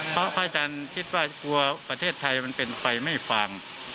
เพราะพระอาจารย์คิดว่ากลัวประเทศไทยมันเป็นไฟไม่ฟาง